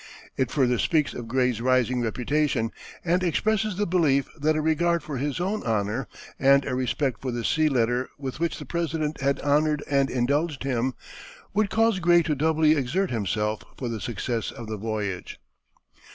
It further speaks of Gray's rising reputation, and expresses the belief that a regard for his own honor, and a respect for the sea letter with which the President had honored and indulged him, would cause Gray to doubly exert himself for the success of the voyage.